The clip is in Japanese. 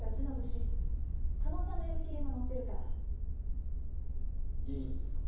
誌叶さんの読み切りも載ってるからいいんですか？